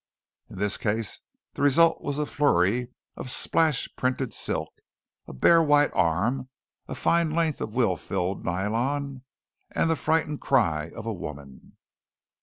In this case the result was a flurry of splash printed silk, a bare white arm, a fine length of well filled nylon, and the frightened cry of a woman.